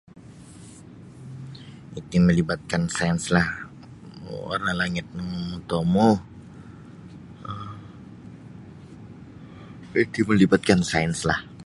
Iti melibatkan sainslah um warna langit no motomou um iti melibatkan sainslah.